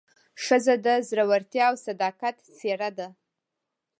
ښځه د زړورتیا او صداقت څېره ده.